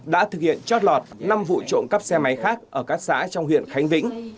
đã thực hiện trót lọt năm vụ trộm cắp xe máy khác ở các xã trong huyện khánh vĩnh